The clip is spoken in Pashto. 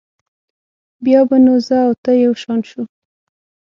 بیا به نو زه او ته یو شان شو.